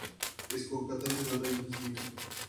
اس کو قاتل سے زیادہ دلچسپی ہے۔